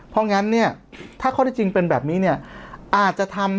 เพราะงั้นเนี่ยถ้าข้อที่จริงเป็นแบบนี้เนี่ยอาจจะทำ